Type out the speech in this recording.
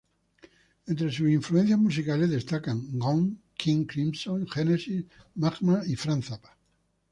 Entre sus influencias musicales destacan Gong, King Crimson, Genesis, Magma y Frank Zappa.